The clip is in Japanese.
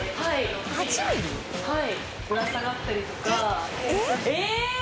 ぶら下がったりとか。